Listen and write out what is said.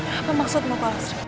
apa maksudmu bapak lastri